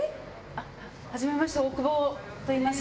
はじめまして大久保といいます。